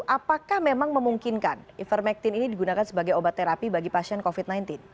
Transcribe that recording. apakah memang memungkinkan ivermectin ini digunakan sebagai obat terapi bagi pasien covid sembilan belas